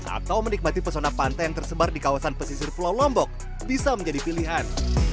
atau menikmati pesona pantai yang tersebar di kawasan pesisir pulau lombok bisa menjadi pilihan